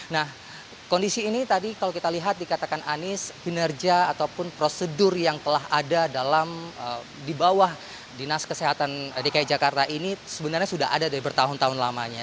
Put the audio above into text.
nah kondisi ini tadi kalau kita lihat dikatakan anies kinerja ataupun prosedur yang telah ada dalam di bawah dinas kesehatan dki jakarta ini sebenarnya sudah ada dari bertahun tahun lamanya